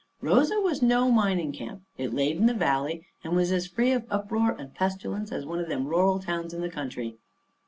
Rosa was no mining camp. It laid in the valley, and was as free of uproar and pestilence as one of them rural towns in the country.